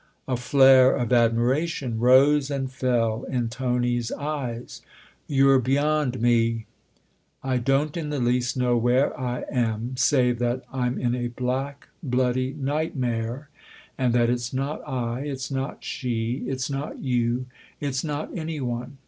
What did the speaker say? A flare of admiration rose and fell in Tony's eyes. " You're beyond me I "" I don't in the least know where I am, save that I'm in a black, bloody nightmare and that it's not I, it's not she, it's not you, it's not any one.